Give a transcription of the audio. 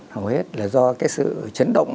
hầu hết là do cái sự chấn động